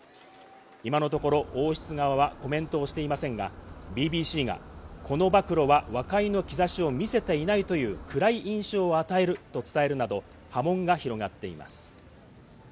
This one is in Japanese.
今のところ王室側はコメントをしていませんがＢＢＣが、この暴露は和解の兆しを見せていないという暗い印象を与えると伝えるなど、波紋が広がっています。